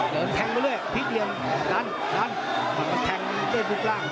ต้องแทงไปเรื่อยพิเตียมดันทังด้วยบุพร่าง